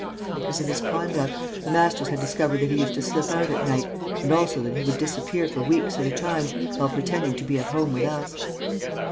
"Because of his conduct. The masters had discovered that he used to slip out at night and also that he would disappear for weeks at a time, while pretending to be at home with us."